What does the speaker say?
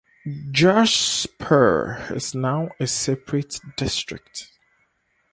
Jashpur is now a separate district.